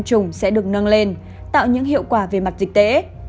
các tiêm chủng sẽ được nâng lên tạo những hiệu quả về mặt dịch tễ